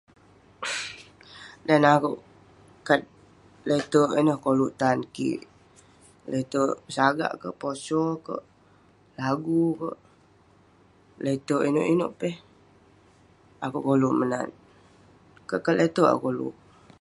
Dan neh akouk, kat leterk ineh koluk tan kik. Leterk sagak kek, posho kek, lagi kek. Leterk inouk inouk peh, akouk koluk menat. Kat kat leterk akouk koluk.